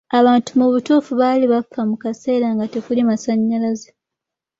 Abantu mu butuufu baali bafa mu kaseera nga tekuli masannyalaze.